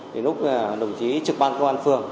lúc đồng chí trực ban công an phường